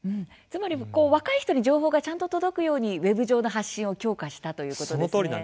つまり若い人に情報がちゃんと届くようにウェブ上の発信を強化したということですね。